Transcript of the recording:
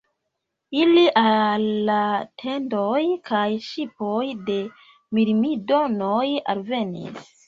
Ili al la tendoj kaj ŝipoj de Mirmidonoj alvenis.